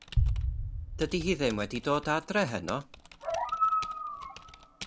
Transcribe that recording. Dydi hi ddim wedi dod adra heno.